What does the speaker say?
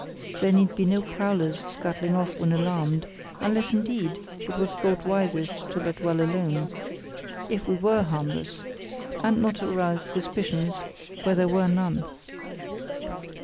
There need be no prowlers scuttling off when alarmed, unless indeed it was thought wisest to let well alone, if we were harmless, and not to arouse suspicions where there were none.